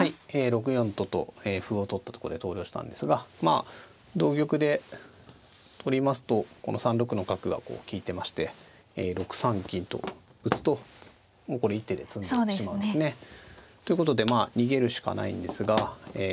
６四とと歩を取ったとこで投了したんですがまあ同玉で取りますとこの３六の角がこう利いてまして６三金と打つともうこれ一手で詰んでしまうんですね。ということでまあ逃げるしかないんですがえ